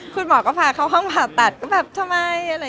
คุณหมอก็พาเข้าห้องมาตัดก็แบบทำไมอะไรอย่างนี้ค่ะ